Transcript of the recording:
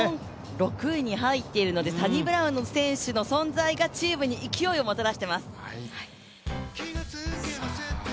６位に入っているので、サニブラウン選手の存在がチームに勢いをもたらしてます。